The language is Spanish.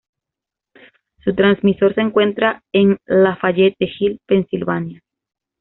Su transmisor se encuentra en Lafayette Hill, Pensilvania.